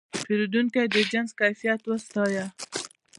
پیرودونکی د جنس کیفیت وستایه.